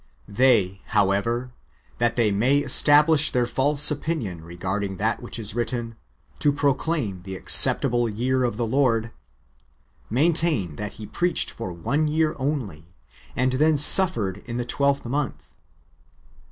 They, however, that they may establish their false opinion regarding that which is written, " to proclaim the acceptable year of the Lord," maintain that He preached for one year only, and then suffered in the twelfth month.